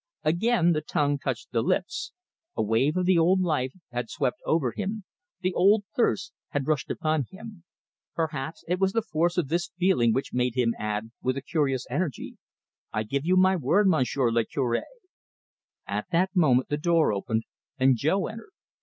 Again the tongue touched the lips a wave of the old life had swept over him, the old thirst had rushed upon him. Perhaps it was the force of this feeling which made him add, with a curious energy, "I give you my word, Monsieur le Cure." At that moment the door opened and Jo entered.